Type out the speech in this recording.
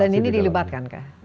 dan ini dilibatkan kak